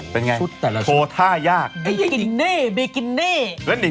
เป็นอย่างไรโทรธ่ายากชุดแต่ละชุด